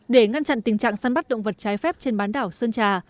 để ngăn chặn tình trạng săn bắt động vật trái phép trên bán đảo sơn trà